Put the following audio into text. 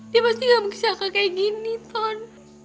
dia pasti gak mungkin siaka kayak gini ton